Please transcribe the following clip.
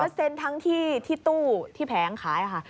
เซ็นทั้งที่ตู้ที่แผงขายค่ะ